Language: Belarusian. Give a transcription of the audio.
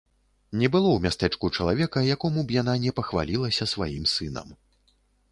Не было ў мястэчку чалавека, якому б яна не пахвалілася сваім сынам.